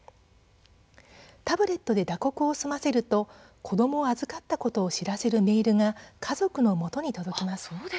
タブレットで打刻を済ませると子どもを預かったことを知らせるメールが家族のもとに届きます。